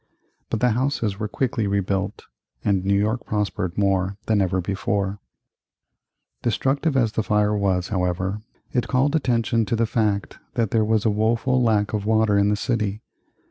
But the houses were quickly rebuilt, and New York prospered more than ever before. [Illustration: View of Park Row, 1825.] Destructive as the fire was, however, it called attention to the fact that there was a woful lack of water in the city.